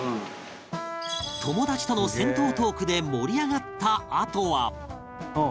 友達との銭湯トークで盛り上がったあとは